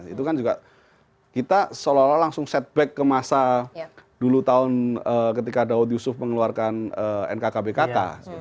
itu kan juga kita seolah olah langsung setback ke masa dulu tahun ketika daud yusuf mengeluarkan nkkbk